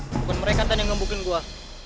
bukan mereka yang gebukin gua